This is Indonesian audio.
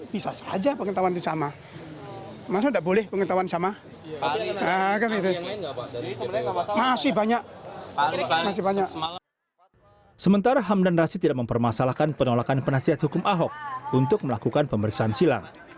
dia juga tidak dapat menerima pernyataan penasihat hukum ahok untuk melakukan pemeriksaan silang